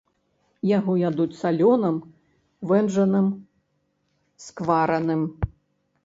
Яго ядуць салёным, вэнджаным, сквараным.